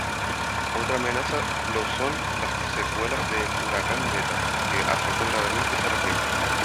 Otra amenaza lo son las secuelas del Huracán Beta que azotó gravemente esta región.